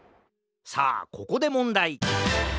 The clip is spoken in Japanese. さあここでもんだい！